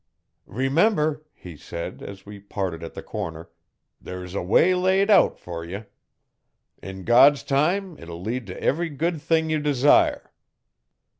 'Remember,' he said, as we parted at the corner, 'there's a way laid out fer you. In God's time it will lead to every good thing you desire.